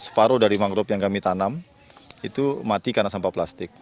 separuh dari mangrove yang kami tanam itu mati karena sampah plastik